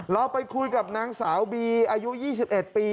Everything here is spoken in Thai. เราไปคุยกับนางสาวบีอายุ๒๑ปี